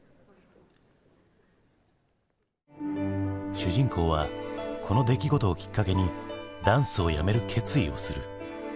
主人公はこの出来事をきっかけにダンスをやめる決意をする。